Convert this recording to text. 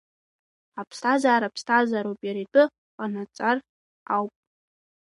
Аԥсҭазаара ԥсҭазаароуп иара атәы ҟанаҵалар ауп.